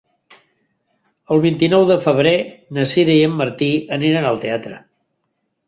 El vint-i-nou de febrer na Sira i en Martí aniran al teatre.